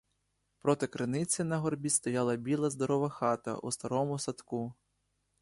Проти криниці на горбі стояла біла здорова хата у старому садку.